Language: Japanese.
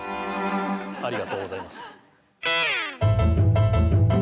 ありがとうございます。